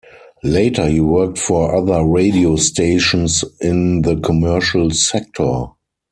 Later, he worked for other radio stations in the commercial sector.